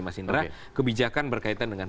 mas indra kebijakan berkaitan dengan